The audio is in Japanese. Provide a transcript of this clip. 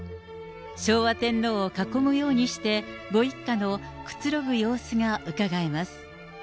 昭和天皇を囲むようにして、ご一家のくつろぐ様子がうかがえます。